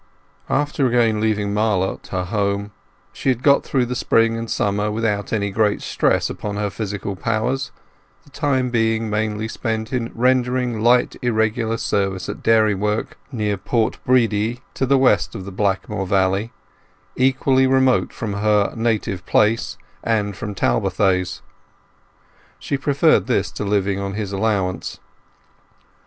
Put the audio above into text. After again leaving Marlott, her home, she had got through the spring and summer without any great stress upon her physical powers, the time being mainly spent in rendering light irregular service at dairy work near Port Bredy to the west of the Blackmoor Valley, equally remote from her native place and from Talbothays. She preferred this to living on his allowance.